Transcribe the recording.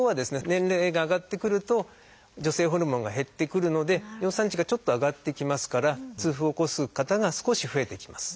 年齢が上がってくると女性ホルモンが減ってくるので尿酸値がちょっと上がってきますから痛風を起こす方が少し増えてきます。